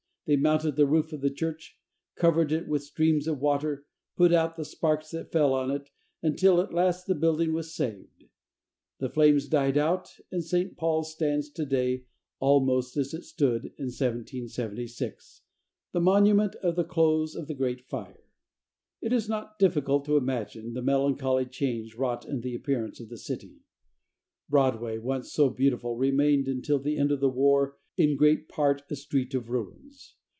They mounted the roof of the church, covered it with streams of water, put out the sparks that fell on it, until at last the building was saved, the flames died out, and St. Paul's stands to day almost as it stood in 1776, the monument of the close of the great fire. It is not difficult to imagine the melancholy change wrought in the appearance of the city. Broadway, once so beautiful, remained until the end of the war in great part a street of ruins.